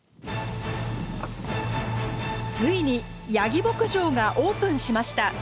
ついにヤギ牧場がオープンしました。